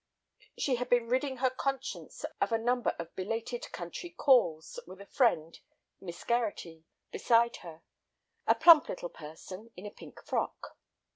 She had been ridding her conscience of a number of belated country "calls" with a friend, Miss Gerratty, beside her, a plump little person in a pink frock.